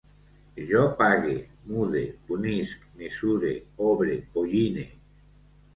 Jo pague, mude, punisc, mesure, obre, polline